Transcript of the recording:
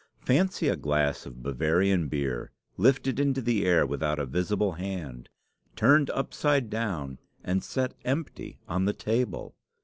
Fancy a glass of Bavarian beer lifted into the air without a visible hand, turned upside down, and set empty on the table!